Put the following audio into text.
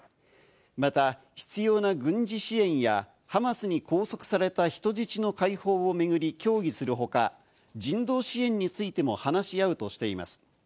また、必要な軍事支援やハマスに拘束された人質の解放を巡り協議する他、人道支援についても話し合うとしています。